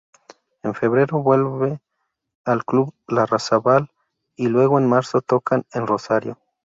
En febrero vuelven al Club Larrazábal, y luego en marzo tocan en Rosario.